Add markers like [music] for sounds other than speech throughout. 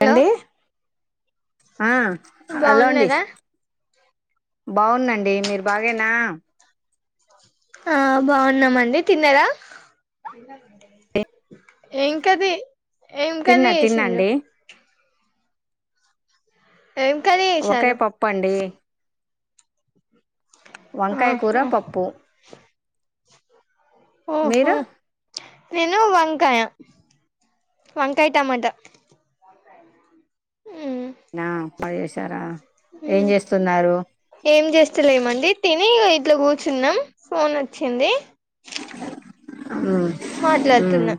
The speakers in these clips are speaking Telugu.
హలో ఆ హలో అండి బాగున్నారా బాగునండి మీరు బాగేనా ఆ బాగున్నామండి తిన్నారా ఏంకాది ఏం తిన్నా కర్రీ చేసిండ్రు తిన్నాండి ఏం కర్రీ వంకాయ చేశారు పప్పు అండి వంకాయ కూర ఆహా పప్పు ఓహో మీరు నేను వంకాయ వంకాయ టమాటా మ్మ్ బాగచేశారా మ్మ్ ఏం చేస్తా లేమండి తిని ఇగో ఇట్లా కూర్చున్నాం ఫోన్ వచ్చింది హ్మ్ మ్మ్ మాట్లాడుతున్నా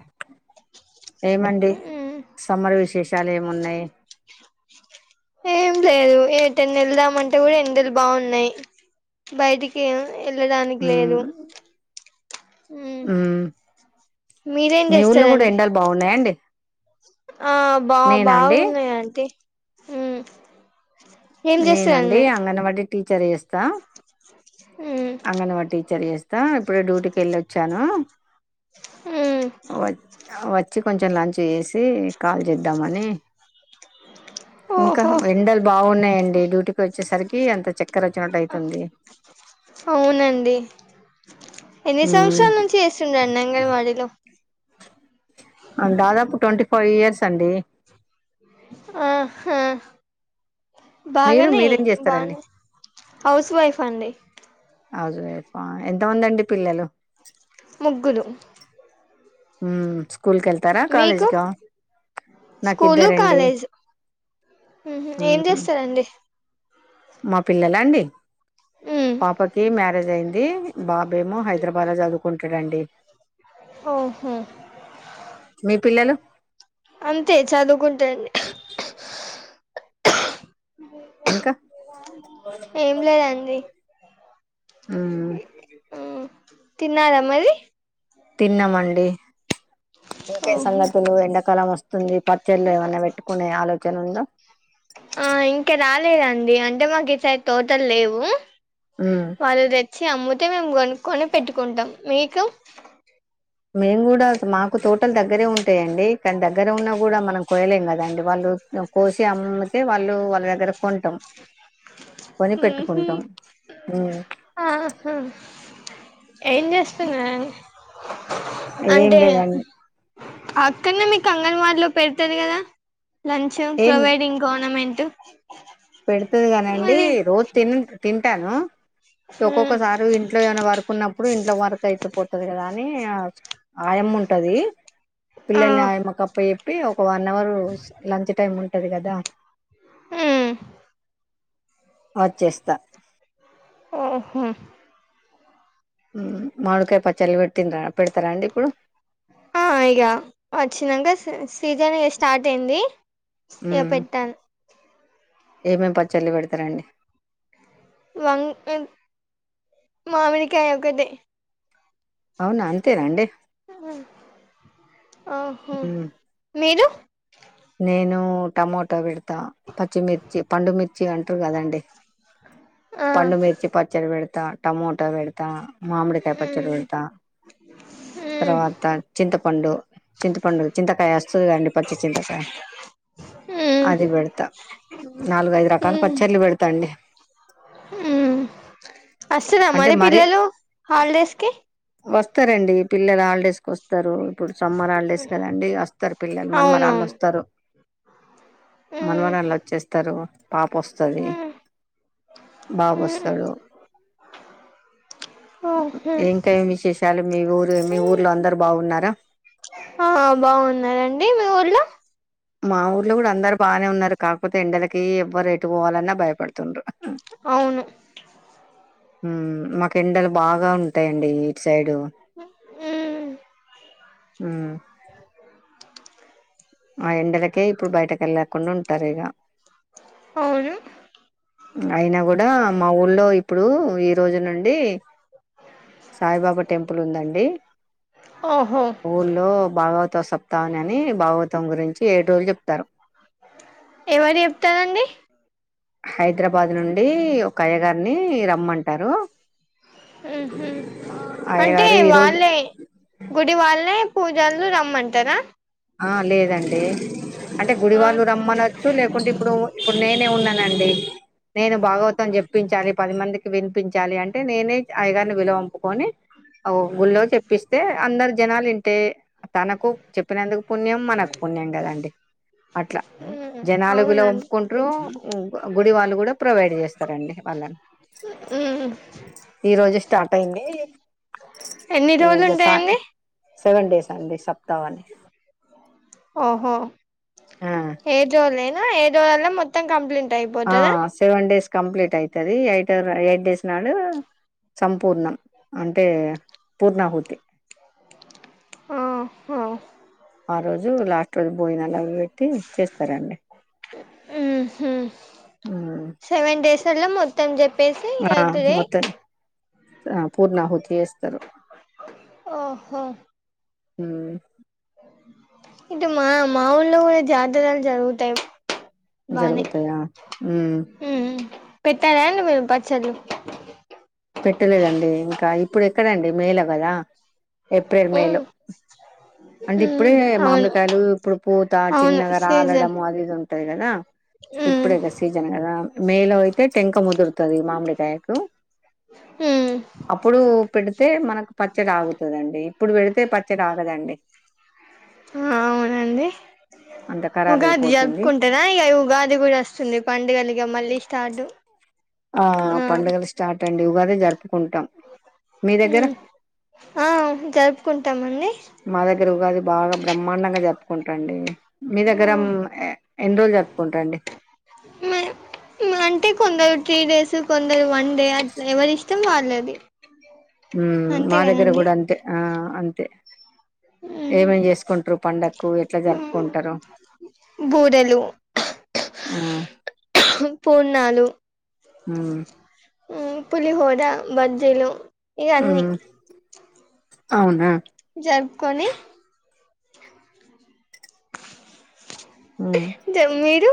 ఏమండి మ్మ్ సమ్మర్ విశేషాలు ఏమున్నాయ్ ఏం లేదు ఏటెన్న వెళ్దామంటే కూడా ఎండలు బాగున్నాయి బయటికి ఎళ్ళడానికి లేదు మ్మ్ ఉమ్మ్ మీరేం మీ ఊర్లో కూడా చేస్తారండి ఎండాలు బాగున్నాయాండి ఆ బా బాగున్నాయి యంటీ హ్మ్ ఏం చేస్తున్నారు నేనండి మీరు అంగన్వాడీ టీచర్ చేస్తా మ్మ్ అంగన్వాడీ టీచర్ చేస్తా ఇప్పుడే డ్యూటీకి వెళ్ళోచ్చాను మ్మ్ వ వచ్చి కొంచెం లంచ్ చేసి కాల్ చేద్దామని ఇంకా ఓహో ఎండలు బాగున్నాయం డి డ్యూటీకి వచ్చేసరికి అంత చక్కర వచ్చినట్టు అయితుంది అవునండి ఎన్ని మ్మ్ సంవత్సరాల నుంచి చేస్తుండ అండి అంగన్వాడీలో దాదాపు ట్వంటీ ఫైవ్ ఇయర్స్ అండి ఆహా మీరు బాగానే మీరేం చేస్తారండి బానే హౌస్ వైఫ్ అండి హౌస్ వైఫ్ ఆ ఎంతమంది అండి పిల్లలు ముగ్గురు హ్మ్మ్ క్కుల్ కి వెళ్తారా మీకు కాలేజ్గా నాకి ఇద్దరండి హ్మ్మ్ ఏం మ్మ్ చేస్తారండి మా పిల్లలా అండి మ్మ్ పాపకి మ్యారేజ్ అయింది బాబు ఏమో హైదరాబాద్ లో చదువుకుంటాడండి ఓహో మీ పిల్లలు అంతే చదువుకుంటాడి ఇంకా ఏం లేదండి హ్మ్మ్ మ్మ్ తిన్నారా మరి తిన్నామండి ఇంకేం ఓహో సంగతులు ఎండాకాలం వస్తుంది పర్చర్లు ఏమన్నా పెట్టుకునే ఆలోచన ఉందా ఆ ఇంకా రాలేదండి అంటే మాకు చ తోటల్ లేవు మ్మ్ వాళ్ళు తెచ్చి అమ్ముతే మేము కొనుక్కకుని పెట్టుకుంటాం మీకు మేము కూడా మాకు తోటలు దగ్గరే ఉంటాయంండి కానీ దగ్గరే ఉన్నా కూడా మనం కోయలేం కదండి వాళ్ళు కోసి అమ్మితే వాళ్ళు వాళ్ళ దగ్గర కొంటాం కొని పెట్టుకుంటాం. హ్మ్మ్ హ్మ్ ఆహా ఏం చేస్తున్నార్ ఆం ఏం లేదం అక్కడనే మీకు అంగన్వాడీలో పెడతంది కదా లంచ్ ప్రొవైడింగ్ గవర్నమెంట్ టు పెడతది కానిండి రోజు తి తింటాను ఉమ్ ఒక్కొక్కసారి ఇంట్లో ఏమైనా వర్కు ఉన్నప్పుడు ఇంట్లో వర్క్ అయిపోతుది కదా అని ఆయమ్మ ఉంటది ఆ పిల్లల్ని ఆయమ్మకప్ప టి ఒక వన్ అవర్ లంచ్ టైమ్ ఉంటది కదా హ్మ్మ్ వచ్చేస్తా. ఓహ్మ్ మాకాయ పచ్చాలు పెతందరా ఆ ఇగా వచ్చినాక సీజన్ స్టార్ట్ అయింది ఏపట్టాన్ ఏమేమి పచ్చళ్ళు పెడతారండి వంగ్ మామిడి కాయ ఒకట్టే అవునా అంతేనండి ఆహో హ్మ్. మీరు నేను టమోటో పేడ తా పచ్చిమిర్చి పండుమిర్చి అంటారు కదండీ ఆ పన్నుమిర్చి పచ్చరి పెడు తా టమోటో పెడుతా మామిడికాయ పచ్చడి మ్మ్ పెడతా మ్మ్ తర్వాత చింతపండు చింతపండు చింతకాయ వస్తుందిండి పచ్చి చింతకాయ్ వ్య మ్మ్ అది బెడతా నాలుగ ఐదు రకాల పచ్చర్లి పెడతాండి ఉమ్మ్ వస్తునా మరి పిల్లలు హాలిడేస్ కి వస్తారండి పిల్లల హాలిడేస్ కి వస్తారుప్పుడు సమ్మార్ హాలిడేస్ కదండి వస్తారు పిల్లలు మనమరాల అవునవును వస్తారు మ్మ్ మనుమరాలు వచ్చేస్తారు పాపొస్తది మ్మ్ మ్మ్ బాబొస్తడు ఆ హే ఇంకా ఏం విశేషాలు మీ ఊరు మీ హీ ఊర్లో అందరు బాగున్నారా ఆ బావున్నారండి మీ ఊళ్ళో మా ఊర్లో కూడా అందరు బాగానే ఉన్నారు కాకపోతే ఎండలకి ఎవ్వరు ఎటు పోవాలన్నా భయపడుతుండ్రు అవును ఉమ్ మాకు ఎండలు బాగా ఉంటాయండి ఇటు సైడు మ్మ్ ఉమ్ ఆ ఎండలకే ఇప్పుడు బయటకి వెళ్లేకుండా ఉంటారు ఇగ అవును అయినా కూడా మా ఊళ్ళో ఇప్పుడు ఈ రోజు నుండి సాయిబాబా టెంపుల్ ఉందండి ఓహో ఊర్లో భాగవతసప్తాని అని భాగవ తం గురించి ఏడు రోజులు చెప్తారు ఎవరు చెప్తారు అండి హైదరాబాద్ నుండి ఒక అయ్య గారిని రమ్మంటారు మ్మ్ హ్ అంటే అయ్యగారు ఈరోజు వాళ్ళే గుడి వాళ్ళే పూజారులు రమ్మంటారా ఆ లేదండి అంటే ఆ గుడివాళ్ళు రమ్మనొచ్చు లేకుంటే ఇప్పుడు ఇప్పుడు నేనే ఉన్నానండి నేను భాగవతం చెప్పించాలి పది మందికి వినిపించాలి అంటే నేనే అయ్యగారిని విలువంపుకొని ఆ గుళ్ళో చెప్పిస్తే అందరు జనాలు వింటే తనకు చె ప్పినందుకు పుణ్యం మనకు పుణ్యం కదండి అట్లా మ్మ్ జనాలుగులో అవునండి వంపుకుంట్రూ ఉమ్ గుడివాళ్ళు కూడా ప్రొవైడ్ చేస్తారండి వాళ్ళన్ మ్మ్ ఈ రోజే స్టార్ట్ అయింది ఎన్ని ఇక రోజులుంటాయండి సెవెన్ డేస్ అండి సప్తావాని ఓహో అని ఏడు రోజలేనా ఏడు రోజులల్లో మొత్తం కంప్లీంట్ ఆ సెవెన్ డేస్ కంప్లీట్ ఐతది ఎయిటర్ ఎయిట్ డేస్ నాడు సంపూర్ణం అంటే పూర్ణాహుతి ఆ హా ఆ రోజు లాస్ట్ రోజు భోజనావి పెట్టి ఇచేస్తారండి ఊహూ ఊ తల్లో మొత్తం చెప్పేసి అయిత్ డే మొత్తం ఆ పూర్ణాహతి ఏస్తారు ఓహో ఉమ్ ఇటు మా మా ఊళ్లో కూడా జాతరలు జరుగుతాయి బానే జరుగుతాయా ఉమ్ ఊ పెట్టారా అండి మీరు పచ్చళ్ళు పెట్టలేదండి ఇంకా ఇప్పుడు ఎక్కడండి మే లో కదా ఏప్రెల్ మే లో ఉమ్ అంటే ఇప్పుడే ఉమ్ అవును మామిడికాయలు ఇప్పుడు పూత అవును చిన్నగా సీజన్ రాలడము అది ఇది ఉంటది కదా ఉమ్ ఇప్పుడే గా సీజన్ కదా మే లో అయితే టెంక ముదురుతాది మామిడికాయకు ఉమ్ అప్పుడు పెడితే మనకు పచ్చడి ఆగుతాదండి ఇప్పుడు పెడితే పచ్చడి ఆగదండి ఆవునండి అంత ఖరాబ్ ఉగాది అయిపోతుంది జరుపుకుంటరా ఇగ ఉగాది కూడా వస్తుంది పండుగలుగ మళ్ళీ కార్డు ఆ పండుగలు స్టార్ట్ అండి ఉగాదే జరుపు ఉమ్ ఆ జరుపుకుంటామండి మా దగ్గర ఉగాది బాగా బ్రహ్మాండంగా జరుపుకుంటాండి మీ దగ్గర ఏ ఎన్ని రోజులు జరుపుకుంటాండి అంటే కొందరు త్రీ డేస్ కొందరు వన్ డే అట్లా ఎవరి ఇష్టం వాళ్ళది ఉ అంతే మా దగ్గర కదండి కూడా అంతే ఆ అంతే ఏమేం చేసుకుంటారు పండకు ఎట్లా జరుపుకుంటారు బూరేలు ఆ పూర్ణాలు హ్మ్. పులిహోర బజ్జీలు ఇగ అన్ని హ్మ్. అవునా జరుపుకొని హ్మ్. మీరు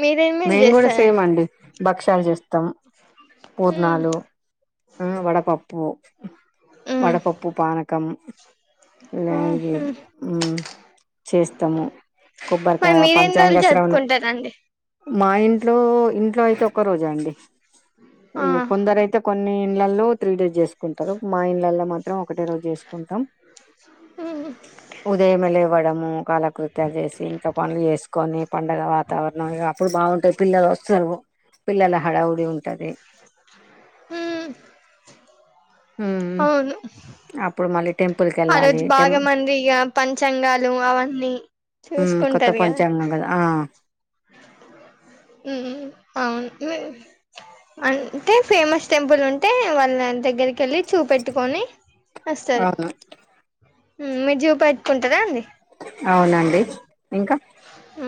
మీరేమేమి మేము కూడా సేమ్ చేస్తారండి అండి భక్ష్యాలు చేస్తాం పూర్ణాలు ఆ వడపప్పు వడపప్పు పానకం లా ఇది ఉ చేస్తాము మరి కొబ్బరికాయ మీరేన్ని పంచాంగ రోజులు శ్రవనం జరుపుకుంటారండి మా ఇంట్లో ఇంట్లో అయితే ఒక రోజే అండి ఈ కొందరు అయితే కొన్ని ఇండ్లల్లో త్రీ డేస్ చేస్ కుంటారు మా ఇంలలో మాత్రం ఒకటే రోజు చేసుకుంటాం ఉదయంమే లేవడము కాలకృ త్యలు చేసి ఇంట్లో పనులు చేసుకొని పండగ వాతావరణం ఇగ అప్పుడు బాగుంటాయి పిల్లలు వస్తారు పిల్లల హడావుడి ఉంటది ఉమ్ అవును అప్పుడు మల్లి ఆ రోజు బాగా మంది ఇగ పంచాంగాలు అవన్నీ మ్ కొత్త చూసుకుంటారు గద పంచాంగం కదా ఆ మ్మ్ అవును అంటే ఫేమస్ టెంపుల్ ఉంటే వాళ్ళన దగ్గరి కెళ్ళి చూపెట్టుకొని వస్తారు అవును మీరు చూపెట్టుకుంటారా అండి అవునండి ఇంకా హు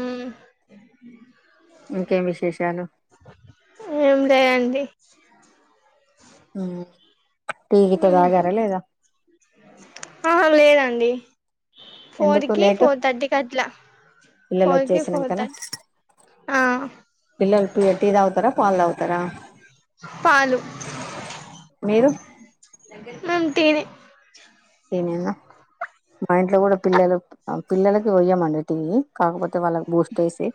ఇంకేం విశేషాలు ఏం లేదండి టి గిట తాగరా లేద ఆహా లేదండి ఫోర్ కి ఫోర్ తర్టీ కట్లా పిల్లలు వచ్చేసినంకనా ఆ పిల్లలు టీ తాగుతారా పాలు తాగుతారా పాలు మీరు మెం టివి ఏనేనా మా ఇంట్లో కూడా పిల్లలు పిల్లలకి పోయ్యమండి టీ కాకపోతే వాళ్ళకు బూస్ట్ ఏసి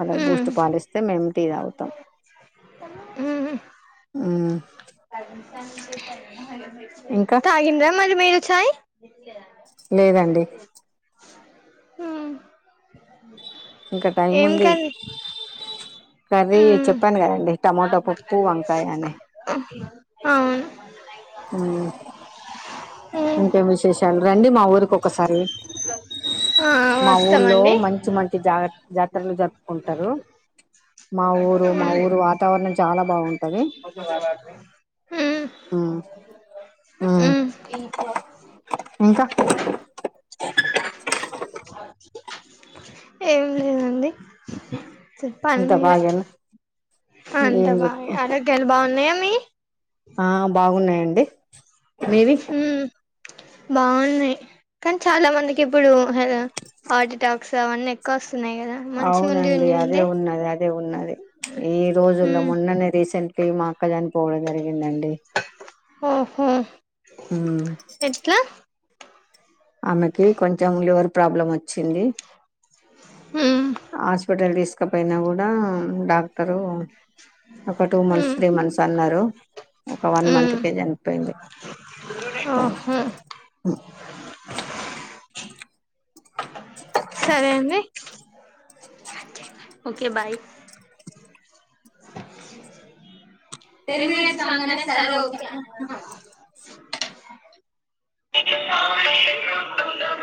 వాళ్ళకు ఉమ్ బూస్ట్ పాలిస్తే మేము టీ తాగుతాం ఉహు ఇంకా తాగిండ్రా మరి మీరు ఛాయ్ లేదండి హ ఇంకా టైం ఉంది కర్రీ ఉమ్ చెప్పాను కదండి టమాటా పప్పు వంకాయ అని అవును ఉమ్ ఇంకేం విశేషాలు రండి ఇంకొకసారి ఆ మా ఊర్లో వస్తామండి మంచి మంచి జాగ్రత్త జాతరలు జరుపుకుంటారు మా ఊరు మా ఊరు వాతావరణం చాలా బాగుంటది ఉమ్ ఆ ఆ ఇకా [unintelligible] ఏం లేదండి చెప్పని అంత మీదే బాగేనా అంతే ఏం బాగా చెప్పు అలాగలు బాగున్నాయి ఆ బాగున్నాయంండి మీవి ఉమ్ బాగున్నాయి కానీ చాలా మందికి ఇప్పుడు హార్ట్ అటాక్స్ అవన్నీ ఎక్కువ వస్తు వస్తున్నాయి కదా మంచిగా ఉండి ఉండడి అ ఉన్నది ఈ రోజుల్లో మొన్ననే రీసెంట్ క మా అక్క జని పోడం జరిగిందండి ఓహో అ ఎట్లా ఆమెకి కొంచెం లివర్ ప్రాబ్లం వచ్చింది ఉమా హాస్పిటల్ తీసుకపోయినా కూడా డాక్టరు ఒక టూ మంత్స్ ఉమ్ త్రీ మంత్స్ అన్నారు ఒక వన్ మంత్ కేజ అ చనిప్పయింది ఆఓహా సరే అండి ఓకే బాయ్ రెన్ మట్స్ వాంగనే సరే ఓకే [unintelligible]